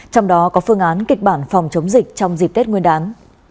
trong đó có phương án kịch bản phòng chống dịch trong dịp tết nguyên đán